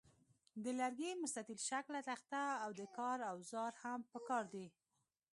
د لرګي مستطیل شکله تخته او د کار اوزار هم پکار دي.